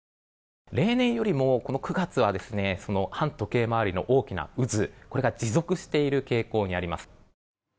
例年よりも９月は反時計回りの大きな渦これが持続している傾向にあります。